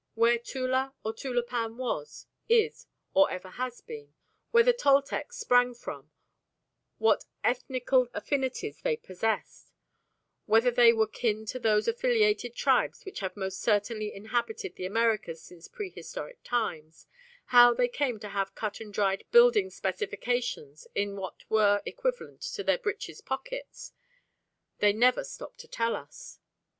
Where Tula or Tulapan was, is, or ever has been: where the Toltecs sprang from; what ethnical affinities they possessed; whether they were kin to those affiliated tribes which have most certainly inhabited the Americas since prehistoric times; how they came to have cut and dried building specifications in what were equivalent to their breeches' pockets, they never stop to tell us.